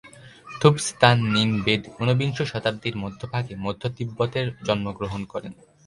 থুব-ব্স্তান-ন্যিন-ব্যেদ ঊনবিংশ শতাব্দীর মধ্যভাগে মধ্য তিব্বতের জন্মগ্রহণ করেন।